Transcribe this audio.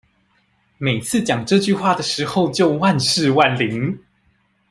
每次講這句話的時候就萬試萬靈